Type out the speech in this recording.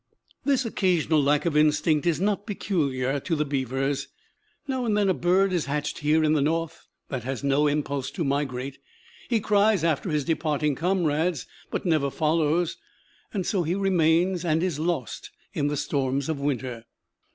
This occasional lack of instinct is not peculiar to the beavers. Now and then a bird is hatched here in the North that has no impulse to migrate. He cries after his departing comrades, but never follows. So he remains and is lost in the storms of winter.